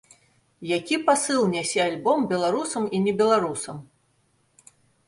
Які пасыл нясе альбом беларусам і небеларусам?